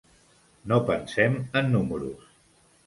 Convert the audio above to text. No pensem en números.